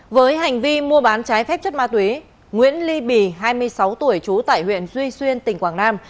với hành vi mua bán trái phép chất ma túy nguyễn ly bì hai mươi sáu tuổi trú tại huyện duy xuyên tỉnh quảng nam